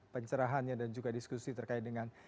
pencerahannya dan juga diskusi terkait dengan